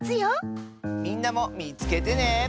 みんなもみつけてね。